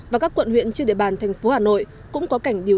và các quận huyện trên địa bàn thành phố hà nội cũng có cảnh điều khiển